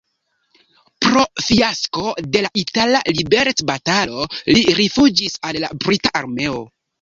Pro fiasko de la itala liberecbatalo li rifuĝis al la brita armeo.